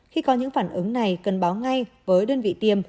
khi có những phản ứng này cần báo ngay với đơn vị tiêm